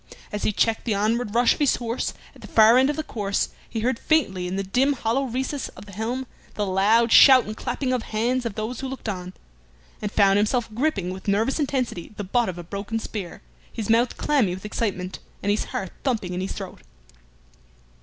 As he checked the onward rush of his horse at the far end of the course, he heard faintly in the dim hollow recess of the helm the loud shout and the clapping of hands of those who looked on, and found himself gripping with nervous intensity the butt of a broken spear, his mouth clammy with excitement, and his heart thumping in his throat.